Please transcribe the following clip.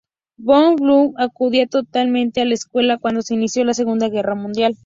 Von Bülow acudía todavía a la escuela cuando se inició la Segunda Guerra Mundial.